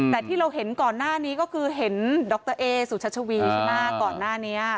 แต่ที่เราเห็นก่อนหน้านี้ก็คือเห็นดรเอสุชัชวีใช่ไหมก่อนหน้านี้